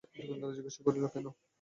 যোগেন্দ্র জিজ্ঞাসা করিল, কেন?